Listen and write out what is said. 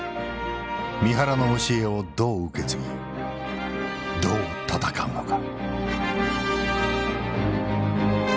三原の教えをどう受け継ぎどう戦うのか。